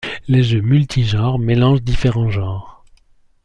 Les jeux multigenres mélangent différents genres.